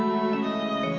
ibu kacang kecambar